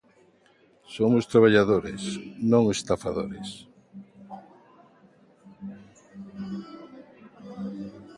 "Somos traballadores, non estafadores".